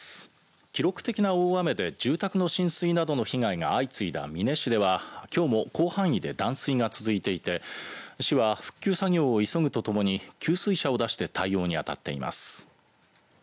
記録的な大雨で住宅の浸水などの被害が相次いだ美祢市ではきょうも広範囲で断水が続いていて市は復旧作業を急ぐとともに給水車を出して対応に当たっています。